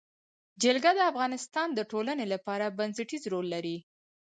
جلګه د افغانستان د ټولنې لپاره بنسټيز رول لري.